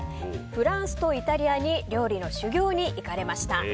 フランスとイタリアに料理の修行に行かれました。